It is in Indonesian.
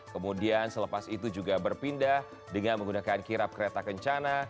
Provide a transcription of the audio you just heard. kemudian selepas itu juga berpindah dengan menggunakan kirap kereta kencana